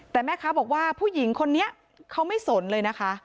แต่แม่ค้าบอกว่าผู้หญิงคนนี้เขาไม่สนเลยนะคะ